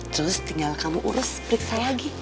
terus tinggal kamu urus periksa lagi